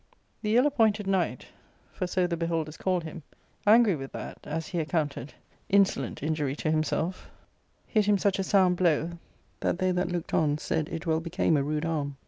The ill appointed knight, for so the be holders called him, angry with that, as he accounted, insolent injury to himself, hit him such a sound blow that they that looked on said it well became a rude arm.